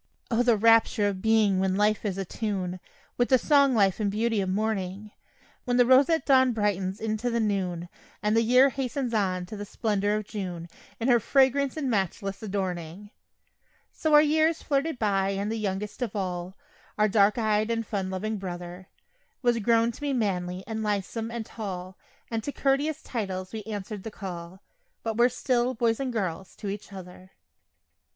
O, the rapture of being when life is a tune With the song life and beauty of morning; When the roseate dawn brightens into the noon, And the year hastens on to the splendor of June, In her fragrance and matchless adorning. So our years flitted by and the youngest of all Our dark eyed and fun loving brother Was grown to be manly and lithesome and tall, And to couteous titles we answered the call, But were still "boys" and "girls" to each other.